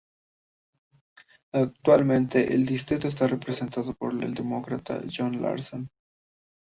Actualmente el distrito está representado por el Demócrata John Larson.